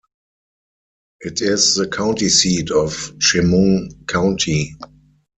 It is the county seat of Chemung County.